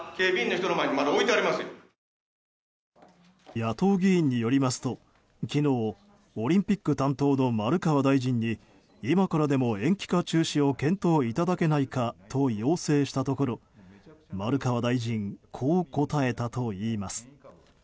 野党議員によりますと昨日、オリンピック担当の丸川大臣に今からでも延期か中止を検討いただけないかと要請したところ丸川大臣はこう答えたといいます。